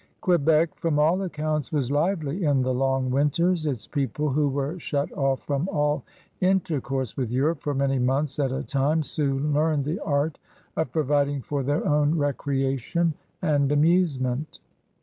Que bec, from all accoimts, was lively in the long winters. Its people, who were shut off from all intercourse with Europe for many months at a time, soon learned the art of providing for their own recreation and amusement.